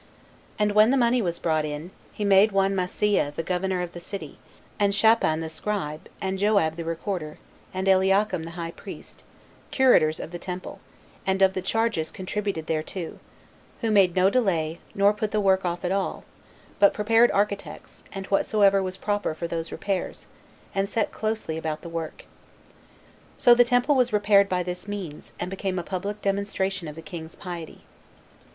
And when the money was brought in, he made one Maaseiah the governor of the city, and Shaphan the scribe, and Joab the recorder, and Eliakim the high priest, curators of the temple, and of the charges contributed thereto; who made no delay, nor put the work off at all, but prepared architects, and whatsoever was proper for those repairs, and set closely about the work. So the temple was repaired by this means, and became a public demonstration of the king's piety.